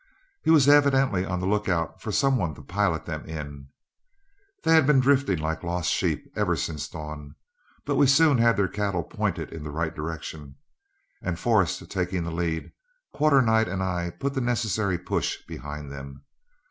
He was evidently on the lookout for some one to pilot them in. They had been drifting like lost sheep ever since dawn, but we soon had their cattle pointed in the right direction, and Forrest taking the lead, Quarternight and I put the necessary push behind them.